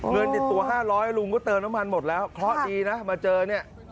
เงินติดตัว๕๐๐ลุงก็เติมน้ำมันหมดแล้วเคราะห์ดีนะมาเจอเนี่ย